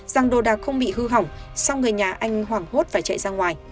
rằng đồ đạc không bị hư hỏng xong người nhà anh hoảng hốt phải chạy ra ngoài